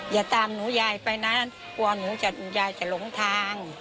อย่าตามหนูยายไปนะกลัวหนูยายจะหลงทาง